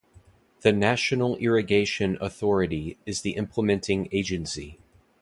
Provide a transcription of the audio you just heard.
The National Irrigation Authority is the implementing agency.